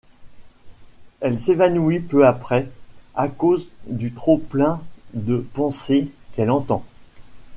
Elle s'évanouit peu après, à cause du trop-plein de pensées qu'elle entend.